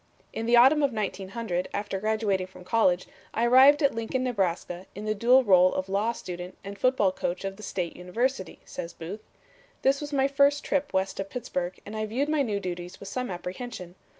"In the autumn of 1900, after graduating from college, I arrived at Lincoln, Nebraska, in the dual rôle of law student and football coach of the State University," says Booth. "This was my first trip west of Pittsburgh and I viewed my new duties with some apprehension.